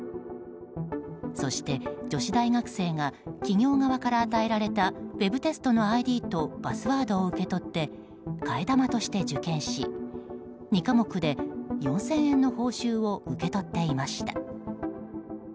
そして、女子大学生が企業側から与えられたウェブテストのＩＤとパスワードを受け取って替え玉として受験し２科目で４０００円の報酬を受け取っていました。